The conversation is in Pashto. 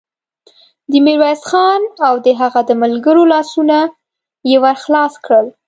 د ميرويس خان او د هغه د ملګرو لاسونه يې ور خلاص کړل.